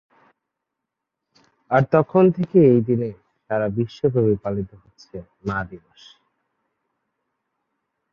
আর তখন থেকেই এই দিনে সারা বিশ্বব্যাপী পালিত হচ্ছে মা দিবস।